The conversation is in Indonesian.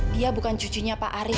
dia bukan cucunya pak arief